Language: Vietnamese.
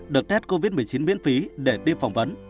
được test covid một mươi chín miễn phí để đi phỏng vấn